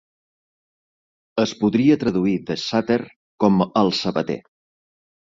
Es podria traduir DeSutter com "El Sabater".